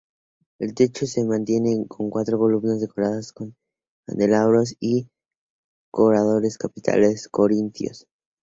El techo se mantiene con cuatro columnas decoradas con candelabros y dorados capiteles corintios.